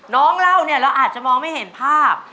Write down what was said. เล่าเนี่ยเราอาจจะมองไม่เห็นภาพ